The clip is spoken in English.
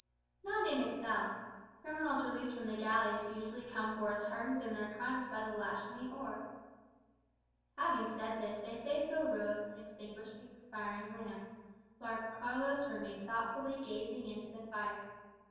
"Not in itself. Criminals released from the galleys usually come forth hardened in their crimes by the lash and the oar." Having said this, De Seso rose and extinguished the expiring lamp, while Carlos remained thoughtfully gazing into the fire.